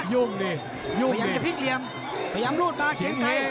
อย่างจะพิทเหยมเรื่องรูดมาเสียงไกล